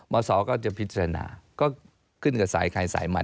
มศก็จะพิจารณาก็ขึ้นด้วยกับสายคลายสายมัน